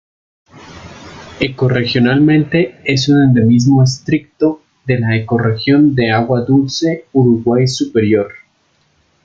Ecorregionalmente es un endemismo estricto de la ecorregión de agua dulce Uruguay superior.